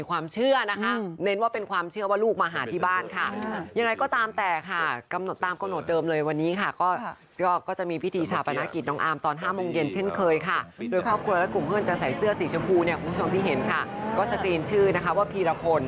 คุณผู้ชมที่เห็นค่ะก็สตรีนชื่อว่าภีรคน